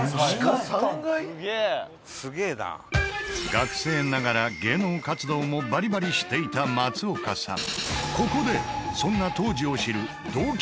学生ながら芸能活動もバリバリしていた松岡さん。